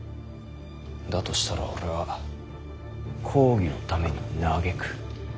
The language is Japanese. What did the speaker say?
だとしたら俺は公儀のために嘆く。